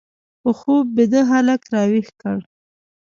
په خوب بیده هلک راویښ کړ